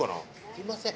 すみません